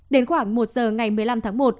đến khoảng một giờ ngày một mươi năm tháng một